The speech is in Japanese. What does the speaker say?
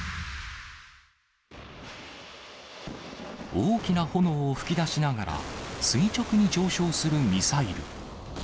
大きな炎を噴き出しながら、垂直に上昇するミサイル。